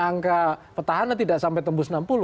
angka petahana tidak sampai tembus enam puluh